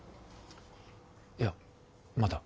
いやまだ。